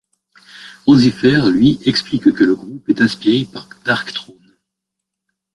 Enzifer, lui, explique que le groupe est inspiré par Darkthrone.